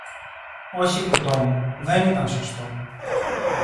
Όχι, κουτό μου, δεν ήταν σωστό